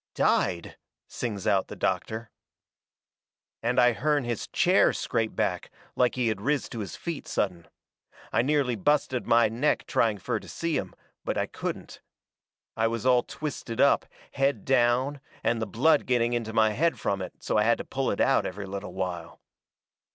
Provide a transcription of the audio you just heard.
"DIED!" sings out the doctor. And I hearn his chair scrape back, like he had riz to his feet sudden. I nearly busted my neck trying fur to see him, but I couldn't. I was all twisted up, head down, and the blood getting into my head from it so I had to pull it out every little while.